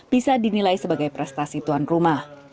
bisa dinilai sebagai prestasi tuan rumah